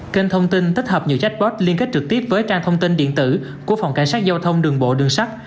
kênh thông tin tích hợp nhiều chatbot liên kết trực tiếp với trang thông tin điện tử của phòng cảnh sát giao thông đường bộ đường sắt